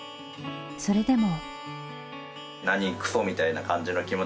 それでも。